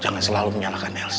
jangan selalu menyalahkan elsa